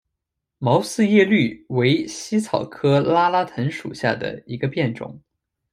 毛四叶葎为茜草科拉拉藤属下的一个变种。